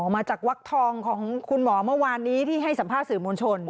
มาจากวักทองของคุณหมอเมื่อวานนี้ที่ให้สัมภาษณ์สื่อมวลชน